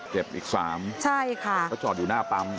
เจ็บอีกสามใช่ค่ะเขาจอดอยู่หน้าปั๊ม